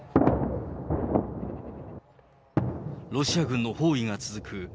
ロシア軍の包囲が続く